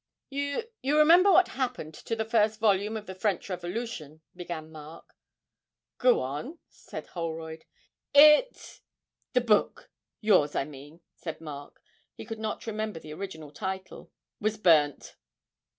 'You you remember what happened to the first volume of the "French Revolution"?' began Mark. 'Go on,' said Holroyd. 'It the book yours, I mean,' said Mark (he could not remember the original title), 'was burnt.'